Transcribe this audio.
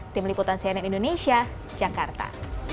tim liputan cnn indonesia jakarta